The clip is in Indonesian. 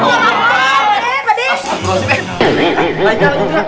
lain kali gak